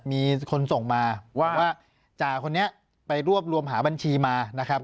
มีคนส่งมาว่าจ่าคนนี้ไปรวบรวมหาบัญชีมานะครับ